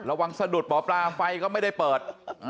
สะดุดหมอปลาไฟก็ไม่ได้เปิด